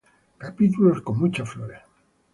Capítulos con muchas flores.